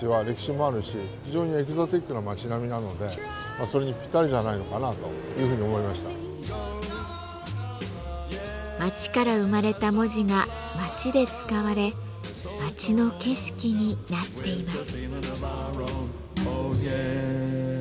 あのやっぱりこう街から生まれた文字が街で使われ街の景色になっています。